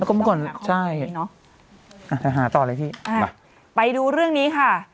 แล้วก็เมื่อก่อนใช่เนอะอาจจะหาต่อเลยพี่อ่าไปดูเรื่องนี้ค่ะ